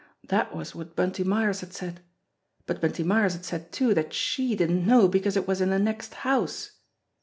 That was what Bunty Myers had said. But Bunty Myers had said too that she didn't know because it was in the next house.